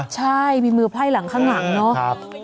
ใช่มีมือไพร่หลังข้างหลังเนาะ